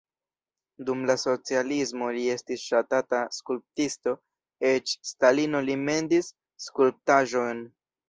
Dum la socialismo li estis ŝatata skulptisto, eĉ Stalino li mendis skulptaĵon.